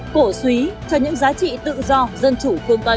cổ suý cho những giá trị tự do dân chủ phương tây